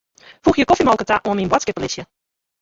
Foegje kofjemolke ta oan myn boadskiplistke.